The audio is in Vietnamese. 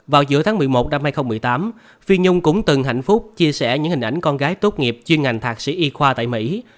vào giữa tháng một mươi một năm hai nghìn một mươi tám phi nhung cũng từng hạnh phúc chia sẻ những hình ảnh con gái tốt nghiệp chuyên ngành thạc sĩ y khoa tại mỹ